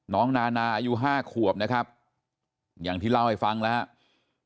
นานาอายุ๕ขวบนะครับอย่างที่เล่าให้ฟังแล้วครับ